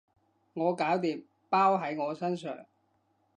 我搞掂，包喺我身上